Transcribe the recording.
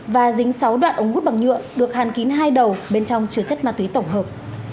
và dính sáu đoạn ống hút bằng nhựa được hàn kín hai đầu bên trong chứa chất ma túy tổng hợp